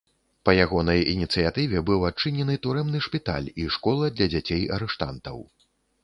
Па ягонай ініцыятыве быў адчынены турэмны шпіталь і школа для дзяцей арыштантаў.